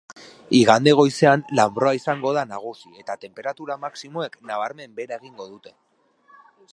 Igande goizean lanbroa izango da nagusi eta tenperatura maximoek nabarmen behera egingo dute.